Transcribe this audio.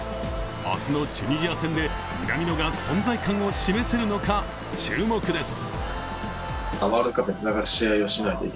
明日のチュニジア戦で南野が存在感を示せるのか注目です。